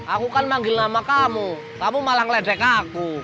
aku kan manggil nama kamu kamu malah ngeledek aku